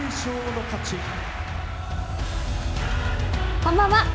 こんばんは。